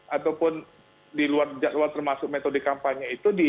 ataupun di luar jadwal termasuk metode kampanye itu